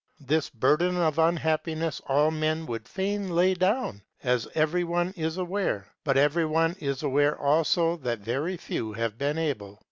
This burden of unhappiness all men would fain lay down, as every one is aware; but every one is aware also that very few have been able.